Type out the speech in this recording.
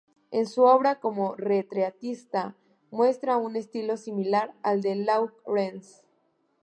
En su obra como retratista muestra un estilo similar al de Lawrence.